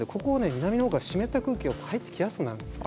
南のほうから湿った空気が入ってきやすくなるんですよ。